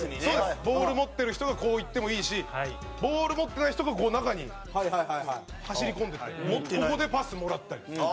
澤部：ボール持ってる人がこう行ってもいいしボール持ってない人が中に走り込んでいってここでパスもらったり。